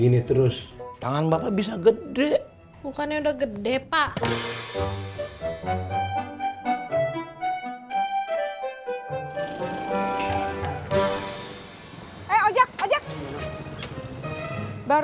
mending abang ngomong dulu deh sama bang deddy soal ganti gerobak gimana entar